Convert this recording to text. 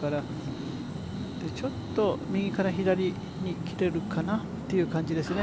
ちょっと、右から左に切れるかなっていう感じですね。